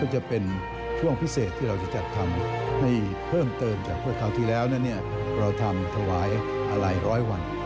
นี่ก็จะเป็นช่วงพิเศษที่เราจะจัดทำให้เพิ่มเติมจากครั้งที่แล้วเราทำถวายอาลัยร้อยหวัน